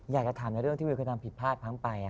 อยากจะถามในเรื่องที่วิวเคยทำผิดพลาดพังไป